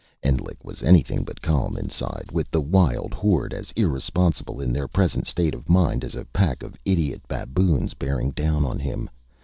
Endlich was anything but calm inside, with the wild horde, as irresponsible in their present state of mind as a pack of idiot baboons, bearing down on him.